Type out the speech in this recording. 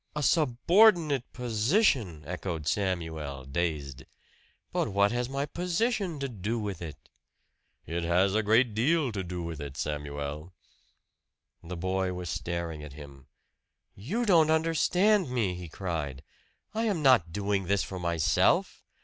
"A subordinate position!" echoed Samuel dazed. "But what has my position to do with it?" "It has a great deal to do with it, Samuel." The boy was staring at him. "You don't understand me!" he cried. "I am not doing this for myself!